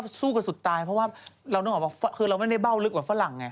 เพราะว่าเรานึกออกว่าคือเราไม่ได้เบ้าลึกเหมือนฝรั่งไง